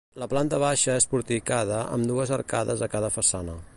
La planta baixa és porticada amb dues arcades a cada façana.